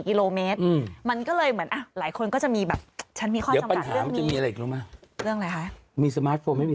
กิโลเมตรอืมมันก็เลยเหมือนอ่ะหลายคนก็จะมีแบบฉันมีข้อจำกัดเรื่องมีสมาร์ทโฟนไม่มี